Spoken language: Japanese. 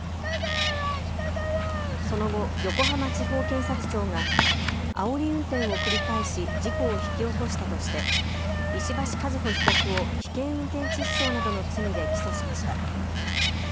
その後、横浜地方検察庁があおり運転を繰り返し事故を引き起こしたとして石橋和歩被告を危険運転致傷などの罪で起訴しました。